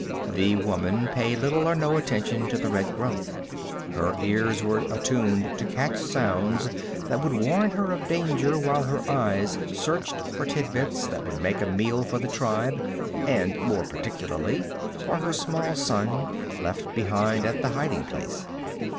The woman paid little or no attention to the red growth. Her ears were attuned to catch sounds that would warn her of danger while her eyes searched for tidbits that would make a meal for the tribe, and more particularly for her small son, left behind at the hiding place.